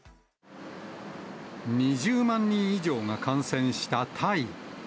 ２０万人以上が感染したタイ。